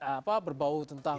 apa berbau tentang